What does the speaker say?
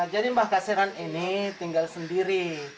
jadi mbah kasiran ini tinggal sendiri